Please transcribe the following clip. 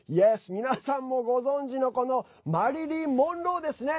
皆さんもご存じのこのマリリン・モンローですね。